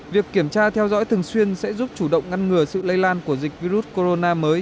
việc kiểm tra theo dõi thường xuyên sẽ giúp chủ động ngăn ngừa sự lây lan của dịch virus corona mới